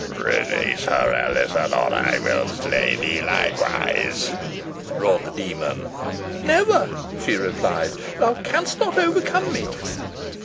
"Release her, Alizon, or I will slay thee likewise," roared the demon. "Never," she replied; "thou canst not overcome me.